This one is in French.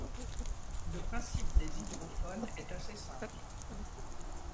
Le principe des hydrophones était assez simple.